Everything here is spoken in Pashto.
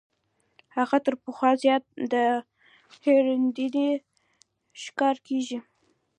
هغه تر پخوا زیات د هېرېدنې ښکار کیږي.